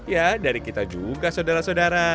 ya dari kita juga saudara saudara